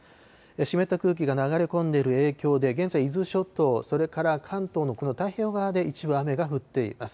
湿った空気が流れ込んでいる影響で現在、伊豆諸島、それから関東のこの太平洋側で、一部、雨が降っています。